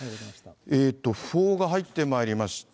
訃報が入ってまいりました。